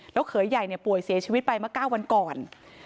แล้วเขยใหญ่ป่วยเสียชีวิตไปมา๙วันก่อน